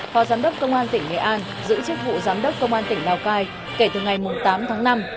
phó giám đốc công an tỉnh nghệ an giữ chức vụ giám đốc công an tỉnh lào cai kể từ ngày tám tháng năm